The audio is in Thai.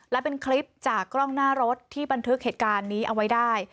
และเป็นคลิปจากกล้องหน้ารถที่บันทึกเหตุการณ์นี้เอาไว้ได้